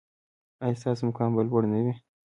ایا ستاسو مقام به لوړ نه وي؟